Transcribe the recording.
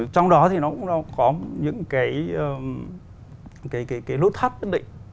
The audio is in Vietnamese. trong đó thì nó cũng có những cái nút thắt nhất định